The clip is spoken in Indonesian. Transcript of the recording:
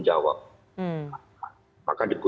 tidak ada yang berpikir itu